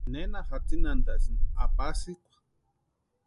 ¿Nena jatsinhantasïni apasikwa?